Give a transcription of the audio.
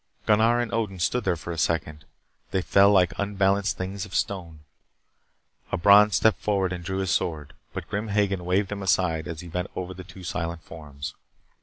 Gunnar and Odin stood there for a second. They fell like unbalanced things of stone. A Bron stepped forward and drew his sword. But Grim Hagen waved him aside as he bent over the two silent forms.